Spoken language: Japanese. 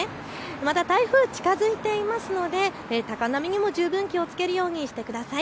また台風近づいていますので高波にも十分気をつけるようにしてください。